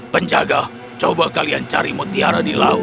penjaga coba kalian cari mutiara di laut